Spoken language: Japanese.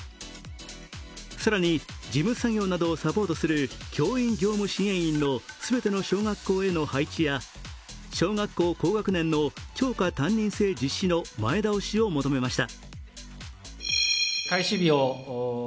更に、事務作業などをサポートする教員業務支援員の全ての小学校への配置や、小学校高学年の教科担任制実施の前倒しを求めました。